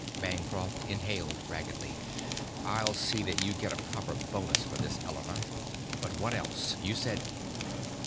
Bancroft inhaled raggedly. "I'll see that you get a proper bonus for this, Elena. But what else? You said...."